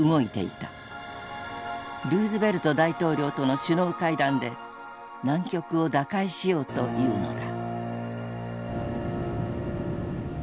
ルーズベルト大統領との首脳会談で難局を打開しようというのだ。